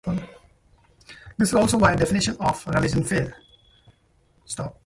This is also why definitions of religion fail.